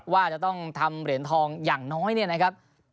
ว่าจะต้องทำเหรียญทองอย่างน้อยเนี่ยนะครับ